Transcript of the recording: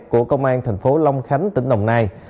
của công an thành phố long khánh tỉnh đồng nai